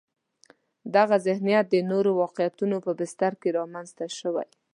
دغه ذهنیت د نورو واقعیتونو په بستر کې رامنځته شوی.